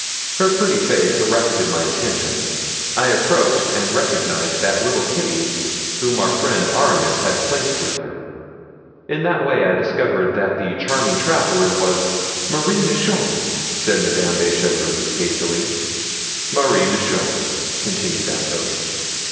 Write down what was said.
Her pretty face arrested my attention; I approached and recognized that little Kitty whom our friend Aramis had placed with her. In that way I discovered that the charming traveler was——" "Marie Michon!" said Madame de Chevreuse, hastily. "Marie Michon," continued Athos.